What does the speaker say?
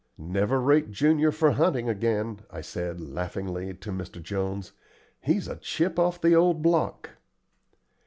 "Never rate Junior for hunting again," I said, laughingly, to Mr. Jones. "He's a chip of the old block."